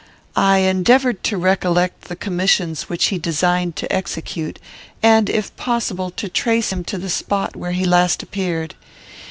I endeavoured to recollect the commissions which he designed to execute, and, if possible, to trace him to the spot where he last appeared.